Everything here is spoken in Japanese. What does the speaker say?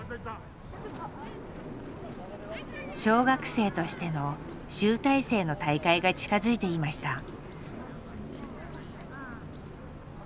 小学生としての集大成の大会が近づいていました。